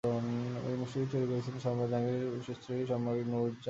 এই মসজিদটি তৈরি করেছিলেন সম্রাট জাহাঙ্গীরের স্ত্রী সম্রাজ্ঞী নূর জাহান।